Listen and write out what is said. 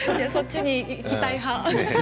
そっちに行きたい派。